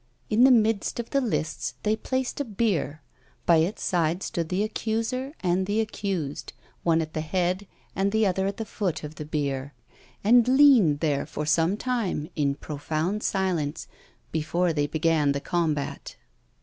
In the midst of the lists they placed a bier. By its side stood the accuser and the accused; one at the head and the other at the foot of the bier, and leaned there for some time in profound silence, before they began the combat.